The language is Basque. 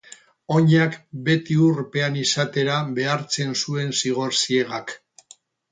Oinak beti urpean izatera behartzen zuen zigor ziegak.